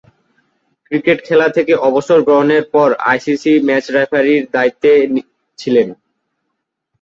Cricket খেলা থেকে অবসর গ্রহণের পর আইসিসি ম্যাচ রেফারির দায়িত্বে ছিলেন।